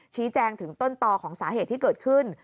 ชี้แจงถึงต้นต่อของสาเหตุที่เกิดขึ้น